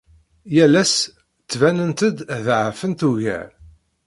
Yal ass ttbanent-d ḍeɛfent ugar.